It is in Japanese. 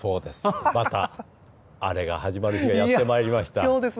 また、あれが始まる日がやってまいりました。